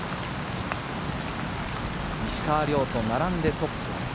石川遼と並んでトップ。